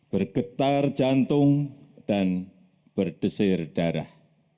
bergetar jantung dan berdesir darah